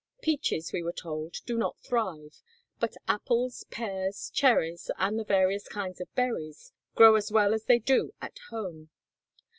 Peaches, we were told, do not thrive, but apples, pears, cherries, and the various kinds of berries, grow as well as they do at home.